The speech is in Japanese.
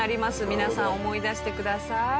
皆さん思い出してください。